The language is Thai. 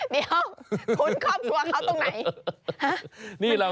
เดี๋ยวคุณครอบครัวเขาตรงไหน